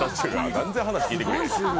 全然話聞いてくれへん。